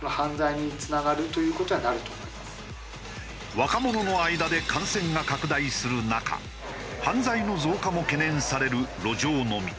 若者の間で感染が拡大する中犯罪の増加も懸念される路上飲み。